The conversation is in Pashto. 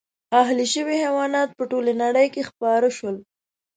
اهلي شوي حیوانات په ټولې نړۍ کې خپاره شول.